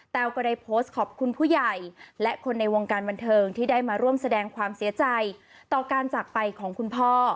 ก็ได้โพสต์ขอบคุณผู้ใหญ่และคนในวงการบันเทิงที่ได้มาร่วมแสดงความเสียใจต่อการจากไปของคุณพ่อ